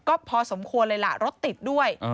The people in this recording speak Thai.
ก็พอสมควรเลยล่ะรถติดด้วย